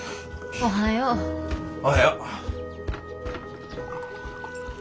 おはよう。何？